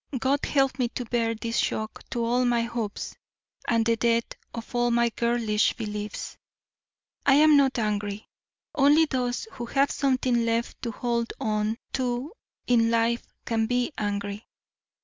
God help me to bear this shock to all my hopes and the death of all my girlish beliefs. I am not angry. Only those who have something left to hold on to in life can be angry.